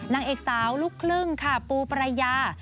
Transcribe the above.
นางเอกสาวลูกครึ่งค่ะปูปรายา